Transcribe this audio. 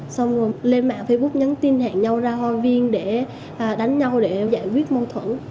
xong rồi lên mạng facebook nhắn tin hẹn nhau ra hội viên để đánh nhau để giải quyết mâu thuẫn